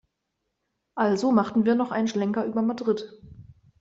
Also machten wir noch einen Schlenker über Madrid.